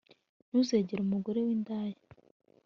ntuzegere umugore w'indaya